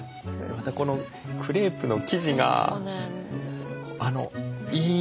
またこのクレープの生地がいい弾力があって。